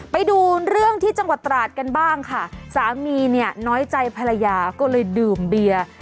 ไปดูเรื่องที่จังหวัดตราดกันบ้างค่ะสามีเนี่ยน้อยใจภรรยาก็เลยดื่มเบียร์